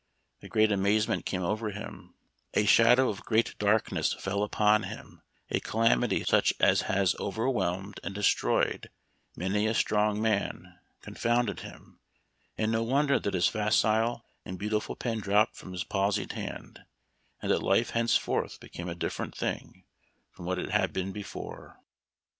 A great amazement came over him ; a " shadow of great darkness " fell upon him a calamity such as has overwhelmed and destroyed many a strong man confounded him ; and no wonder that his facile and beautiful pen dropped from his palsied hand, and that life henceforth became a different thing from what it had been before.